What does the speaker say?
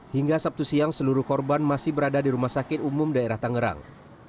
hingga sabtu siang seluruh korban masih berada di rumah sakit umum daerah tangerang